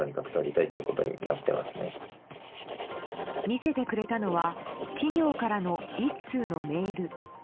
見せてくれたのは企業からの１通のメール。